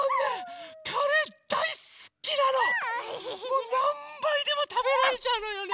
もうなんばいでもたべられちゃうのよね。